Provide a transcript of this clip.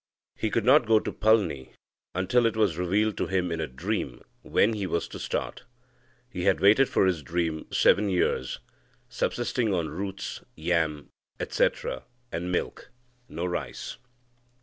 He could not go to Palni until it was revealed to him in a dream when he was to start. He had waited for his dream seven years, subsisting on roots (yams, etc.), and milk no rice.